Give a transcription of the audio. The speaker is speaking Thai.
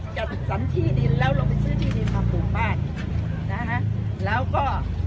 จัดสรรที่ดินแล้วลงไปซื้อที่ดินมาปลูกบ้านนะฮะแล้วก็